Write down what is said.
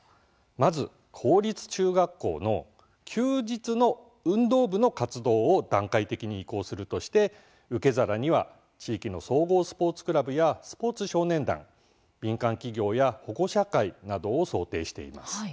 まず公立中学校の休日の運動部の活動を段階的に移行するとして、受け皿には地域の総合スポーツクラブやスポーツ少年団、民間企業や保護者会などを想定しています。